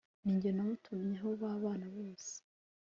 ni nge namutumyeyo babana bose